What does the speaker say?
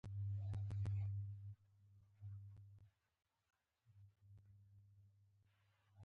استاد خوشحالول دومره راته نه وو مهم.